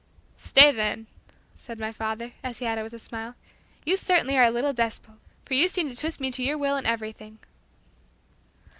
'" "Stay then," said my father, as he added with a smile, "You certainly are a little despot, for you seem to twist me to your will in everything."